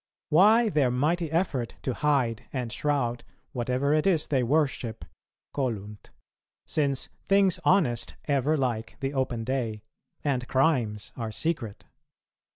... Why their mighty effort to hide and shroud whatever it is they worship (colunt), since things honest ever like the open day, and crimes are secret?